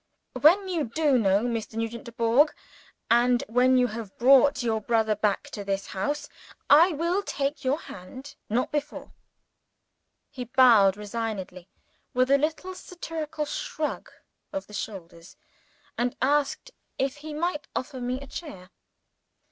"When you do know, Mr. Nugent Dubourg, and when you have brought your brother back to this house, I will take your hand not before." He bowed resignedly, with a little satirical shrug of the shoulders, and asked if he might offer me a chair.